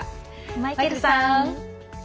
マイケルさん！